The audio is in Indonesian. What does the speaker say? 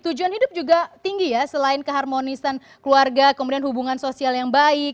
tujuan hidup juga tinggi ya selain keharmonisan keluarga kemudian hubungan sosial yang baik